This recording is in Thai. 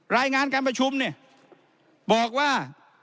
รายงานการประชุมเนี่ยบอกว่า